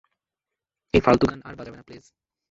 এই ফালতু গান আর বাজাবেনা, প্লিজ।